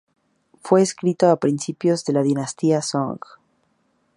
Fue escrito a principios de la dinastía Song.